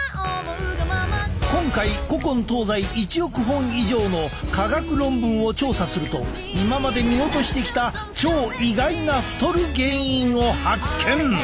今回古今東西１億本以上の科学論文を調査すると今まで見落としてきた超意外な太る原因を発見！